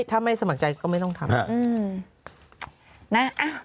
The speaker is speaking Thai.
ถ้าไม่สมัครใจก็ไม่ต้องทำ